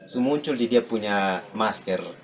semuncul di depunya masker